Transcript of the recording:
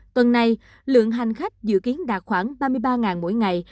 tuần này lượng hành khách dự kiến đạt khoảng ba mươi ba mỗi ngày